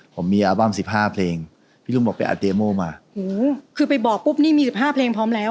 ผมมีอัลบั้มสิบห้าเพลงพี่ลุงบอกไปอาเตโม่มาคือไปบอกปุ๊บนี่มีสิบห้าเพลงพร้อมแล้ว